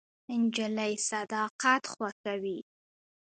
نجلۍ صداقت خوښوي.